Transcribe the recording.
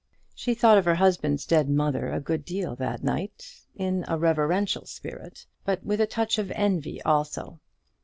She thought of her husband's dead mother a good deal that night, in a reverential spirit, but with a touch of envy also.